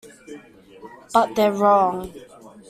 But they're wrong.